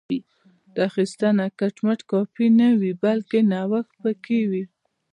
دا اخیستنه کټ مټ کاپي نه وي بلکې نوښت پکې وي